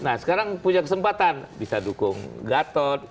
nah sekarang punya kesempatan bisa dukung gatot